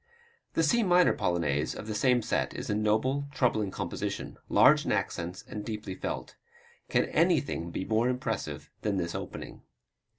The C minor Polonaise of the same set is a noble, troubled composition, large in accents and deeply felt. Can anything be more impressive than this opening?